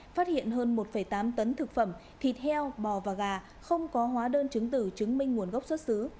phát hiện hơn một tám tấn thực phẩm thịt heo bò và gà không có hóa đơn chứng tử chứng minh nguồn gốc xuất xứ